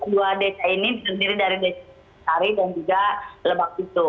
dua desa ini terdiri dari desa sari dan juga lebak itu